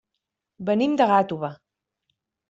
Venim de Gàtova.